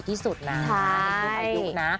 ที่สุดนะ